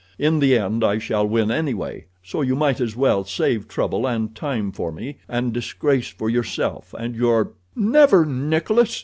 In the end I shall win anyway, so you might as well save trouble and time for me, and disgrace for yourself and your—" "Never, Nikolas!"